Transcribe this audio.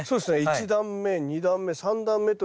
１段目２段目３段目とですね